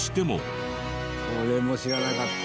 これも知らなかった。